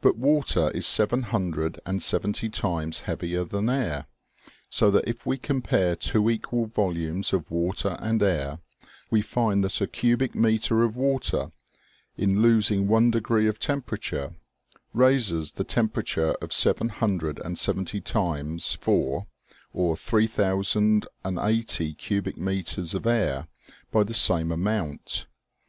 But water is seven hundred and seventy times heavier than air, so that if we compare two equal volumes of water and air, we find that a cubic meter of water, in losing one degree of temperature, raises the tempera ture of seven hundred and seventy times four, or 3080 cubic meters of air by the same amount.